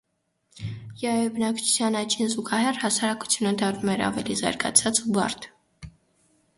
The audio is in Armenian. Յայոյ բնակչության աճին զուգահեռ հասարակությունը դառնում էր ավելի զարգացած ու բարդ։